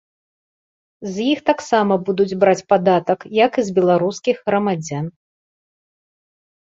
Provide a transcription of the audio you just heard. З іх таксама будуць браць падатак, як і з беларускіх грамадзян.